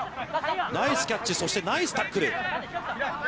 ナイスキャッチ、そしてナイスタックル。